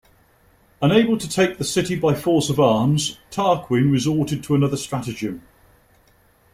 Unable to take the city by force of arms, Tarquin resorted to another stratagem.